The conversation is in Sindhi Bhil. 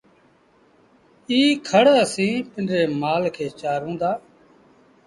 ايٚ کڙ اسيٚݩ پنڊري مآل کي چآرون دآ